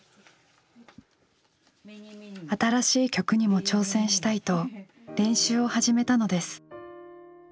新しい曲にも挑戦したいと練習を始めたのです。